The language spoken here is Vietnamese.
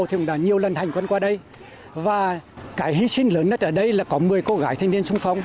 thì cũng đã nhiều lần hành quân qua đây và cái hy sinh lớn ở đây là có một mươi cô gái thanh niên sung phong